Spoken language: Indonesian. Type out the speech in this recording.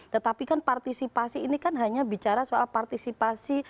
tetapi kan partisipasi ini kan hanya bicara soal partisipasi